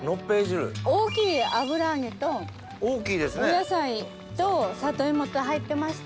大きい油揚げとお野菜と里芋と入ってまして。